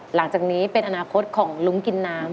หลังจากนี้เป็นอนาคตของลุ้งกินน้ำ